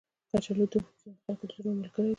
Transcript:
کچالو د خلکو د زړونو ملګری دی